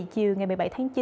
chiều một mươi bảy tháng chín